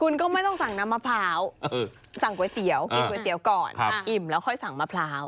คุณก็ไม่ต้องสั่งน้ำมะพร้าวสั่งก๋วยเตี๋ยวกินก๋วยเตี๋ยวก่อนอิ่มแล้วค่อยสั่งมะพร้าว